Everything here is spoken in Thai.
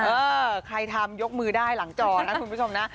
เออใครทำยกมือได้หลังจอนะคุณผู้ชมนะ